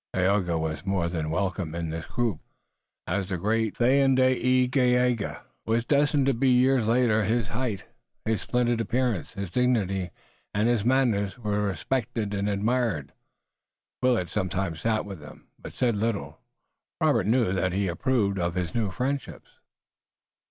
Tayoga was more than welcome in this group, as the great Thayendanegea was destined to be years later. His height, his splendid appearance, his dignity and his manners were respected and admired. Willet sometimes sat with them, but said little. Robert knew that he approved of his new friendships.